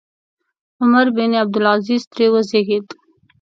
عمر بن عبدالعزیز ترې وزېږېد.